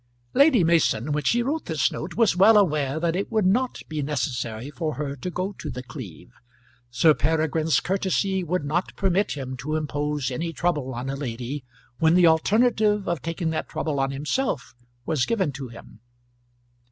Lady Mason, when she wrote this note, was well aware that it would not be necessary for her to go to The Cleeve. Sir Peregrine's courtesy would not permit him to impose any trouble on a lady when the alternative of taking that trouble on himself was given to him.